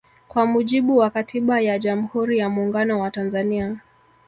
Kwa mujibu wa katiba ya jamhuri ya Muungano wa Tanzania